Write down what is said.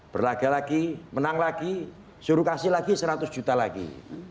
berlaga lagi menang lagi suruh kasih lagi seratus juta lagi